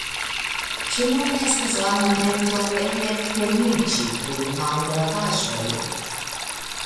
Ĉu nun estas la momento elektemiĝi pri malgravaĵoj?